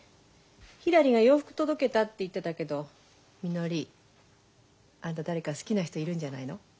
ひらりが「洋服届けた」って言ってたけどみのりあんた誰か好きな人いるんじゃないの？